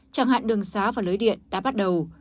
chẳng hạn đường xá và lưới điện đã bắt đầu